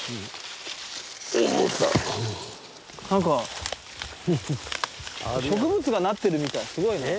なんか植物がなってるみたいすごいね。